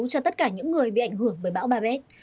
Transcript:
cho tất cả những người bị ảnh hưởng bởi bão babet